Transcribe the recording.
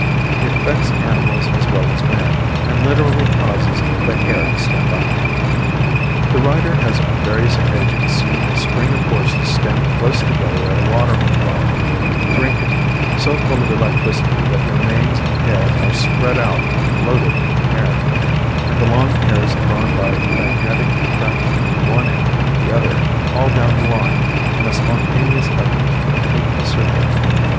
It affects animals as well as man, and literally causes "the hair to stand on end." The writer has on various occasions seen a string of horses standing close together at a watering trough, drinking, so full of electricity that their manes and tails were spread out and floated in the air, and the long hairs drawn by magnetic attraction from one animal to the other all down the line in a spontaneous effort to complete a circuit.